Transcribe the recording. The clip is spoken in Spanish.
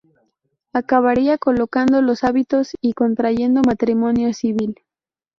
Acabaría colgando los hábitos y contrayendo matrimonio civil.